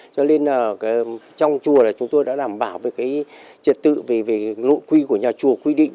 cho nên trong chùa chúng tôi đã đảm bảo về trật tự về nội quy của nhà chùa quy định